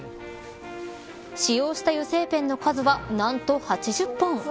使用した油性ペンの数は何と８０本。